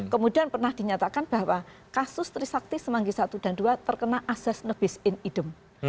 kemudian pernah dinyatakan bahwa kasus trisakti semanggi satu dan dua terkena asas nebis in idem